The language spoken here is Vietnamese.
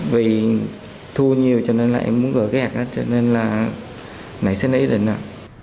vì thu nhiều cho nên là em muốn gửi cái hạt đó cho nên là này sẽ lấy được